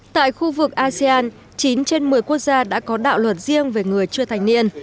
tại khu vực asean chín trên một mươi quốc gia đã có đạo luật riêng về người chưa thành niên